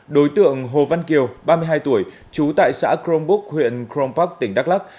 đối tượng hồ văn kiều ba mươi hai tuổi trú tại xã crom book huyện crom park tỉnh đắk lắk